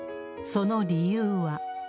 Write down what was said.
その理由は。